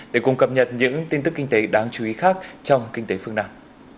để cùng cập nhật những tin tức kinh tế đáng chú ý khác trong kinh tế phương nam